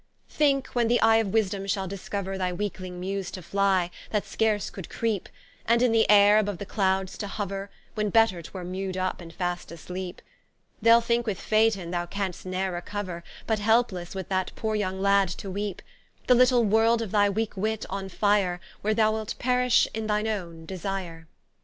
Thinke when the eye of Wisdom shall discover Thy weakling Muse to flie, that scarce could creepe, And in the Ayre aboue the Clowdes to hover, When better 'twere mued vp, and fast asleepe; They'l thinke with Phaeton, thou canst ne'er recover, But helplesse with that poore yong Lad to weepe: The little World of thy weake Wit on fire, Where thou wilt perish in thine owne desire.